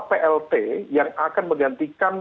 plt yang akan menggantikan